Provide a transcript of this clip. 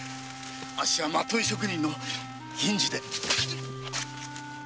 あっしはまとい職人の銀次で。